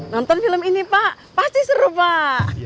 nonton film ini pak pasti seru pak